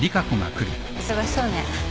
忙しそうね。